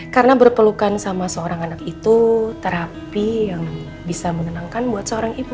karena berpelukan sama seorang anak itu terapi yang bisa mengenangkan buat seorang ibu